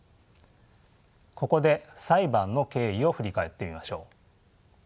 ここで裁判の経緯を振り返ってみましょう。